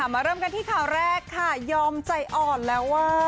เริ่มกันที่ข่าวแรกค่ะยอมใจอ่อนแล้วว่า